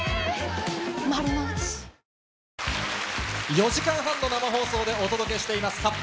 ４時間半の生放送でお届けしています、発表！